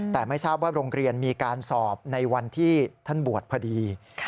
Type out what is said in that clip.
แต่ไม่ทราบว่าโรงเรียนมีการสอบในวันที่ท่านบวชพอดี